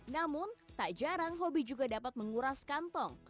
namun tak jarang hobi juga dapat menguras kantong